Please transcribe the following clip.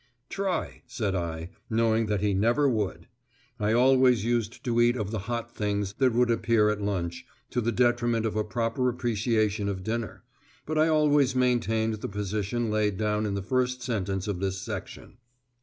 "Try," said I, knowing that he never would. I always used to eat of the hot things that would appear at lunch, to the detriment of a proper appreciation of dinner; but I always maintained the position laid down in the first sentence of this section.